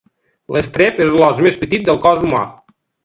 L'estrep és l'os més petit del cos humà.